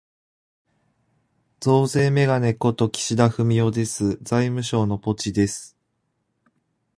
増税めがね事、岸田文雄です。財務省のポチです。